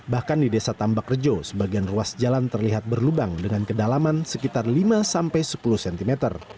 bahkan di desa tambak rejo sebagian ruas jalan terlihat berlubang dengan kedalaman sekitar lima sampai sepuluh cm